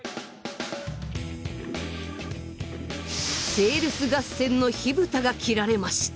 セールス合戦の火蓋が切られました。